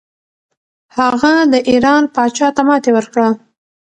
هغه د ایران پاچا ته ماتې ورکړه.